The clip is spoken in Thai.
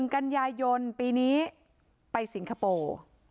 กันยายนปีนี้ไปสิงคโปร์